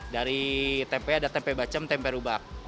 dari tempe ada tempe bacem tempe rubak